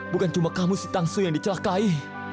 bukan cuma kamu si tangsu yang dicelakai